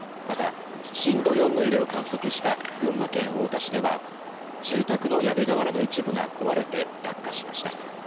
また震度４の揺れを観測した群馬県太田市では住宅の屋根瓦の一部が壊れて落下しました。